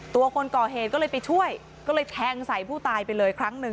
คนก่อเหตุก็เลยไปช่วยก็เลยแทงใส่ผู้ตายไปเลยครั้งหนึ่ง